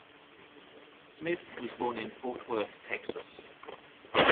Smith was born in Fort Worth, Texas.